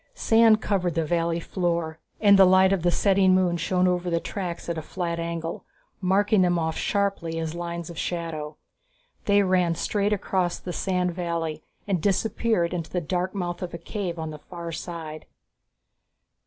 Sand covered the valley floor, and the light of the setting moon shone over the tracks at a flat angle, marking them off sharply as lines of shadow. They ran straight across the sandy valley and disappeared into the dark mouth of a cave on the far side.